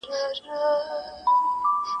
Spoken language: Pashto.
څوک ابدال یو څوک اوتاد څوک نقیبان یو ..